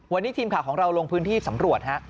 วันนี้ทีมข่าวของเราลงพื้นที่สำรวจฮะ